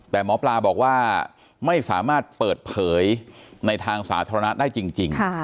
แต่หมอปลาบอกว่าไม่สามารถเปิดเผยในทางสาธารณะได้จริง